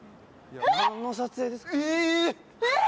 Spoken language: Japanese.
何の撮影ですか？